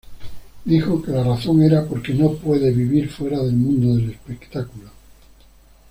Dijo que la razón era porque no puede vivir fuera del mundo del espectáculo.